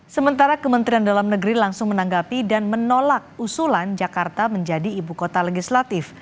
sementara kementerian dalam negeri langsung menanggapi dan menolak usulan jakarta menjadi ibu kota legislatif